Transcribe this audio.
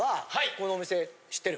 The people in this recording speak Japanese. このお店知ってる？